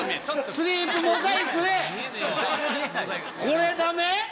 これダメ？